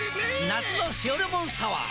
夏の「塩レモンサワー」！